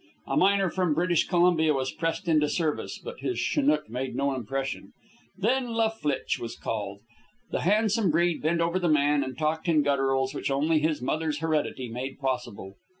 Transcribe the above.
A miner from British Columbia was pressed into service, but his Chinook made no impression. Then La Flitche was called. The handsome breed bent over the man and talked in gutturals which only his mother's heredity made possible.